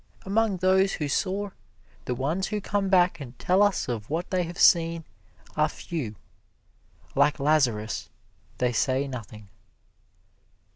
Among those who soar, the ones who come back and tell us of what they have seen, are few. Like Lazarus, they say nothing.